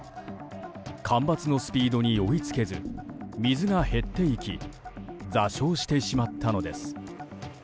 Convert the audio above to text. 干ばつのスピードに追いつけず水が減っていき座礁してしまったのです。